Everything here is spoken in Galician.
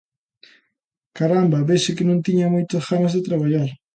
¡Caramba, vese que non tiñan moitas ganas de traballar!